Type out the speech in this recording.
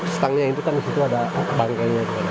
stangnya itu kan disitu ada bangkanya